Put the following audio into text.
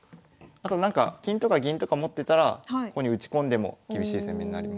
あとなんか金とか銀とか持ってたらここに打ち込んでも厳しい攻めになります。